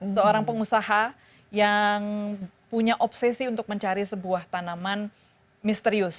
seorang pengusaha yang punya obsesi untuk mencari sebuah tanaman misterius